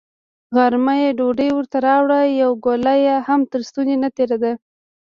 غرمه يې ډوډۍ ورته راوړه، يوه ګوله يې هم تر ستوني نه تېرېده.